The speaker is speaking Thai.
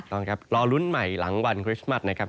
ต้องครับรอลุ้นใหม่หลังวันคริสต์มัสนะครับ